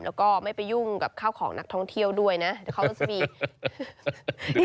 แล้วก็ไม่ไปยุ่งกับข้าวของนักท่องเที่ยวด้วยนะเดี๋ยวเขาก็จะมี